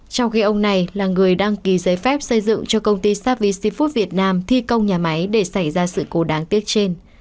trong khi ông này là người đăng ký giấy phép xây dựng cho công ty sapee syfood việt nam thi công nhà máy để xảy ra sự cố đáng tiếc trên